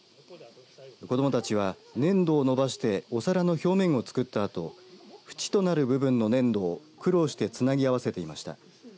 子どもたちは、粘土を伸ばしてお皿の表面を作ったあと縁となる部分の粘土を苦労してつなぎ合わせていました。